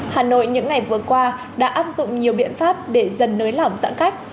hà nội những ngày vừa qua đã áp dụng nhiều biện pháp để dần nới lỏng giãn cách